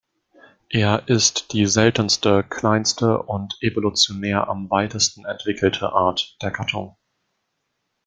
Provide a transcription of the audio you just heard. Er ist die seltenste, kleinste und evolutionär am weitesten entwickelte Art der Gattung.